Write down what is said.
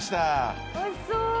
おいしそう。